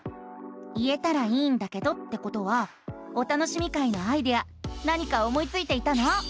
「言えたらいいんだけど」ってことは「お楽しみ会」のアイデア何か思いついていたの？